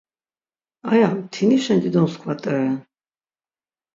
Aya mtinişen dido mskva t̆eren.